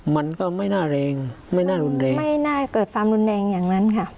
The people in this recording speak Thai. มันก็ไม่น่าแรงไม่น่ารุนแรงไม่น่าเกิดความรุนแรงอย่างนั้นค่ะ